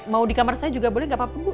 mau di kamar saya juga boleh gak apa apa bu